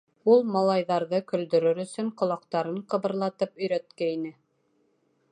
Ул малайҙарҙы көлдөрөр өсөн ҡолаҡтарын ҡыбырлатып өйрәткәйне.